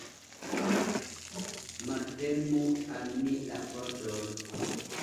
Malfermu al mi la pordon!